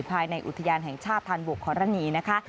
ภายในอุทยานแห่งชาติธรรมบุคคลานีนะคะ